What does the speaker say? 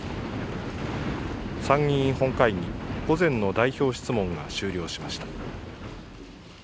参議院本会議、午前の代表質問が終了しました。